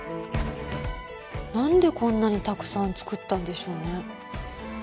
なんでこんなにたくさん作ったんでしょうね。